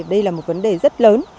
đây là một vấn đề rất lớn